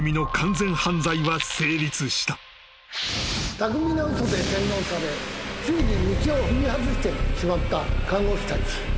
巧みな嘘で洗脳されついに道を踏み外してしまった看護師たち。